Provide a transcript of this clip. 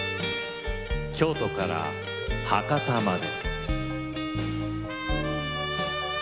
「京都から博多まで」。